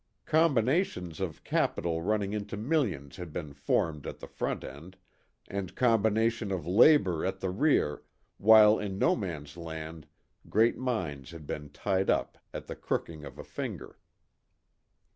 Combinations of capital running into millions had been formed at the front end, and combinations of labor at the rear, while in no man's land great mines had been tied up at the crooking of a finger.